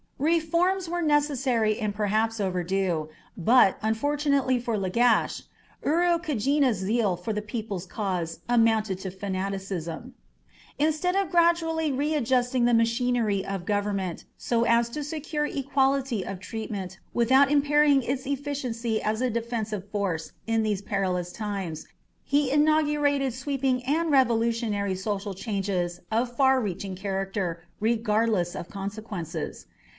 Reforms were necessary and perhaps overdue, but, unfortunately for Lagash, Urukagina's zeal for the people's cause amounted to fanaticism. Instead of gradually readjusting the machinery of government so as to secure equality of treatment without impairing its efficiency as a defensive force in these perilous times, he inaugurated sweeping and revolutionary social changes of far reaching character regardless of consequences.